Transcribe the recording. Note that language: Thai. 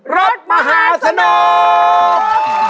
รถมหาสนุก